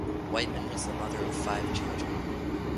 Wightman was the mother of five children.